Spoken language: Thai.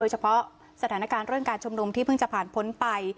เฉพาะสถานการณ์เรื่องการชุมนุมที่เพิ่งจะผ่านพ้นไป